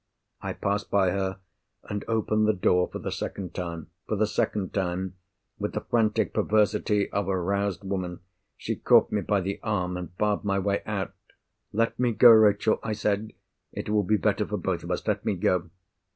I passed by her, and opened the door for the second time. For the second time—with the frantic perversity of a roused woman—she caught me by the arm, and barred my way out. "Let me go, Rachel" I said. "It will be better for both of us. Let me go."